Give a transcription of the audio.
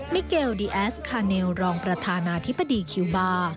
มิเกลดีแอสคาเนลรองประธานาธิบดีคิวบาร์